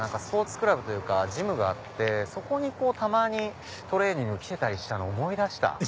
スポーツクラブというかジムがあってそこにたまにトレーニング来てたりしたの思い出した。